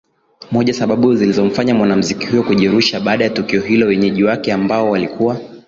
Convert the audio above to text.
moja sababu zilizomfanya mwanamuziki huyo kujirusha Baada ya tukio hilo wenyeji wake ambao walikuwa